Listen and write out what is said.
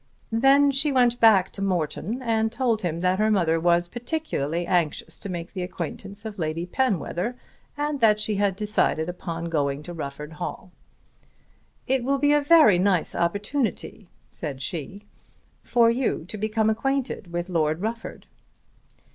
Then she went back to Morton and told him that her mother was particularly anxious to make the acquaintance of Lady Penwether and that she had decided upon going to Rufford Hall. "It will be a very nice opportunity," said she, "for you to become acquainted with Lord Rufford."